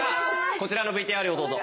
こちらのＶＴＲをどうぞ。